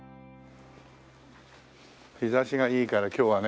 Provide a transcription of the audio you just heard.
日差しがいいから今日はね